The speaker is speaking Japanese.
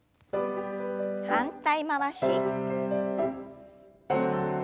反対回し。